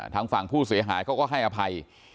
ทางฝั่งผู้เสียหายเขาก็ให้อภัย